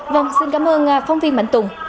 vâng xin cảm ơn phong viên mạnh tùng